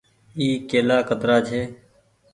اي ڪيلآ ڪترآ ڇي۔